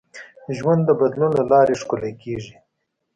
ژوند د بدلون له لارې ښکلی کېږي.